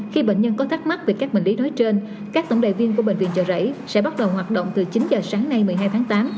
khi bệnh nhân có thắc mắc về các bệnh lý nói trên các tổng đề viên của bệnh viện chợ rẫy sẽ bắt đầu hoạt động từ chín giờ sáng nay một mươi hai tháng tám